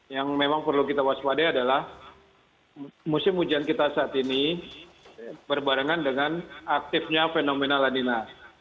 yang memang perlu kita waspada adalah musim hujan kita saat ini berbarengan dengan aktifnya fenomena lanina